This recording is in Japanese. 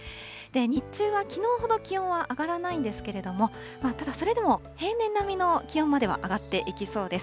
日中はきのうほど気温は上がらないんですけれども、ただ、それでも平年並みの気温までは上がっていきそうです。